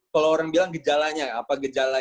saya tak bilang itu sama keluarga